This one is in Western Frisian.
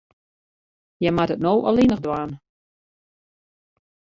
Hja moat it no allinnich dwaan.